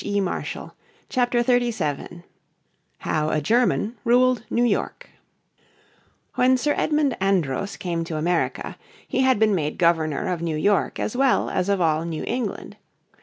__________ Chapter 37 How a German Ruled New York When Sir Edmund Andros came to America, he had been made Governor of New York as well as of all New England.